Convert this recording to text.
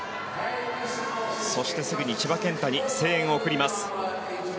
そして、すぐに千葉健太に声援を送ります。